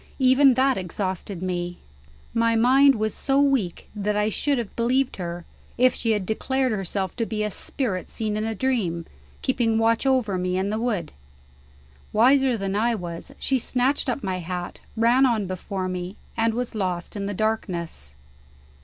Even that exhausted me. My mind was so weak that I should have believed her, if she had declared herself to be a spirit seen in a dream, keeping watch over me in the wood. Wiser than I was, she snatched up my hat, ran on before me, and was lost in the darkness.